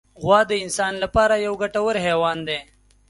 غوا د انسان له پاره یو ګټور حیوان دی.